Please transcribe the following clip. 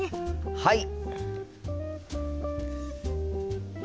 はい！